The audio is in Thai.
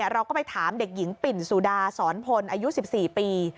เราก็ไปถามเด็กหญิงปิ่นสุดาสอนพลอายุ๑๔ปี